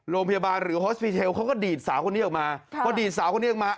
โรงพยาบาลหรือฮอสปีเทลเขาก็ดีดสาวคนนี้ออกมาพอดีดสาวคนนี้ออกมา